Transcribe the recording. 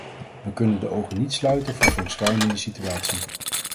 We kunnen de ogen niet sluiten voor zo'n schrijnende situatie.